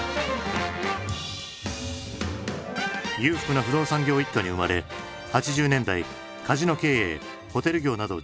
裕福な不動産業一家に生まれ８０年代カジノ経営ホテル業など事業を拡大。